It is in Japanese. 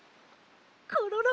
コロロ！